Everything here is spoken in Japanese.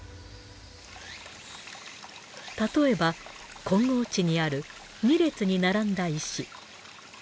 例えば金剛池にある２列に並んだ石。